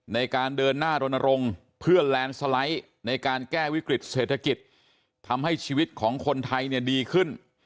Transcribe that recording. ในการเดินหน้ารณรงค์เพื่อแลนด์สไลด์ในการแก้วิกฤตเศรษฐกิจทำให้ชีวิตของคนไทยเนี่ยดีขึ้น